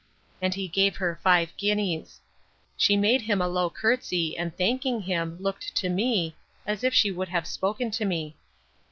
And he gave her five guineas.—She made him a low courtesy, and thanking him, looked to me, as if she would have spoken to me.